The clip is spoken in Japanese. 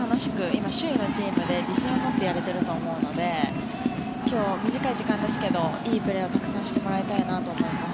今、首位のチームで自信を持ってやれていると思うので今日は短い時間ですけどいいプレーをたくさんしてもらいたいなと思います。